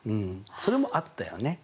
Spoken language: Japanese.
それもあったよね。